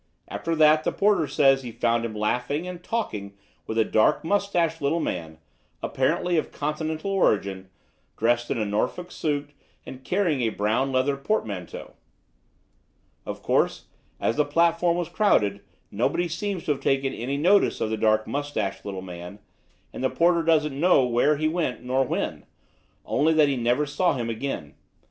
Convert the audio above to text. After that the porter says he found him laughing and talking with a dark moustached little man, apparently of continental origin, dressed in a Norfolk suit and carrying a brown leather portmanteau. Of course, as the platform was crowded, nobody seems to have taken any notice of the dark moustached little man; and the porter doesn't know where he went nor when only that he never saw him again.